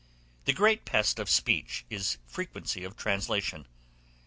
The great pest of speech is frequency of translation.